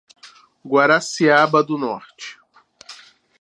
Guaraciaba do Norte